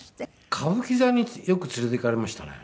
歌舞伎座によく連れて行かれましたね。